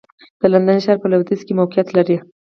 د لندن ښار په لوېدیځ کې موقعیت لري.